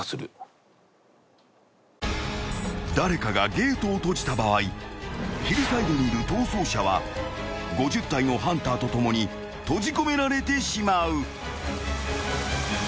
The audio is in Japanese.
［誰かがゲートを閉じた場合ヒルサイドにいる逃走者は５０体のハンターと共に閉じ込められてしまう］